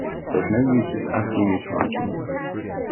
There's no use just asking me to write more.